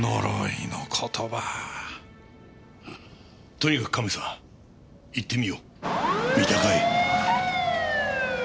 とにかくカメさん行ってみよう三鷹へ。